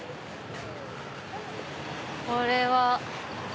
これは。